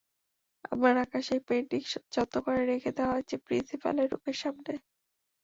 আমার আঁকা সেই পেইন্টিংস যত্ন করে রেখে দেওয়া হয়েছে প্রিন্সিপালের রুমের সামনে।